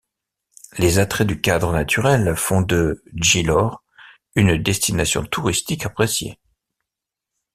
Les attraits du cadre naturel font de Djilor une destination touristique appréciée.